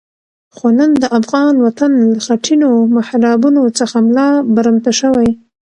خو نن د افغان وطن له خټینو محرابونو څخه ملا برمته شوی.